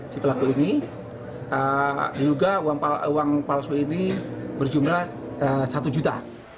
si pelaku ini diduga uang palsu ini berjumlah satu juta